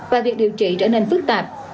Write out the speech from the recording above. và việc điều trị trở nên phức tạp